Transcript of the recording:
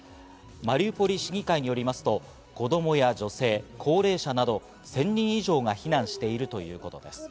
マリウポリ市議会によりますと子供や女性・高齢者など、１０００人以上が避難しているということです。